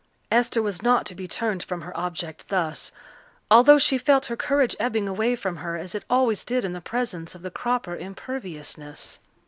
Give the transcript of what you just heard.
Esther was not to be turned from her object thus, although she felt her courage ebbing away from her as it always did in the presence of the Cropper imperviousness.